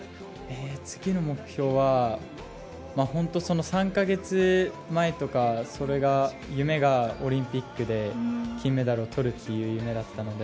次の目標は３か月前とかは夢がオリンピックで金メダルをとるっていう夢だったので